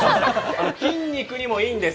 筋肉にもいいんです。